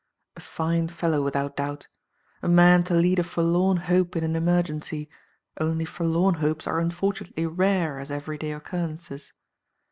A fine fellow without doubt. A man to lead a forlorn hope in an emergency, only forlorn hopes are unfortunately rare as everyday occurrences.